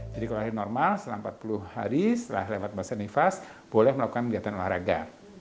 jadi kalau hari normal setelah empat puluh hari setelah lewat basah nifas boleh melakukan kegiatan olahraga